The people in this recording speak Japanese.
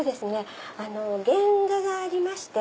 原画がありまして。